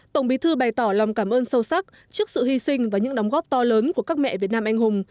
tổng bí thư bày tỏ lòng cảm ơn sâu sắc trước sự hy sinh và những đóng góp to lớn của các mẹ việt nam anh hùng